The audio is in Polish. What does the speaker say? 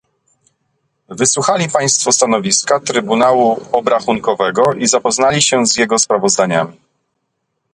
Wysłuchali Państwo stanowiska Trybunału Obrachunkowego i zapoznali się z jego sprawozdaniami